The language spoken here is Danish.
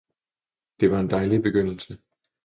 'Det er en dejlig begyndelse!